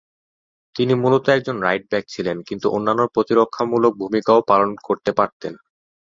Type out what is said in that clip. তিনি মূলত একজন রাইট ব্যাক ছিলেন, কিন্তু অন্যান্য প্রতিরক্ষামূলক ভূমিকাও পালন করতে পারতেন।